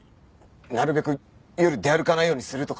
なるべく夜出歩かないようにするとかさ。